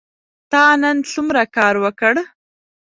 تا نن څومره کار وکړ ؟